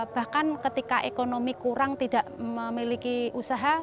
bahkan ketika ekonomi kurang tidak memiliki usaha